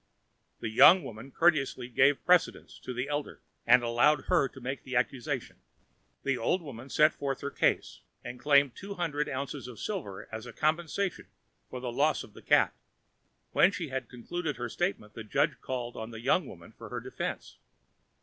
The young woman courteously gave precedence to the elder, and allowed her to make the accusation. The old woman set forth her case, and claimed two hundred ounces of silver as a compensation for the loss of the cat. When she had concluded her statement, the judge called on the young woman for her defense.